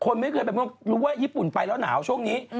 คนไม่เคยไปรู้ว่าญี่ปุ่นไปแล้วหนาวช่วงนี้